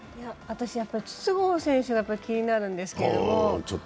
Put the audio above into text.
私、筒香選手が気になるんですけど。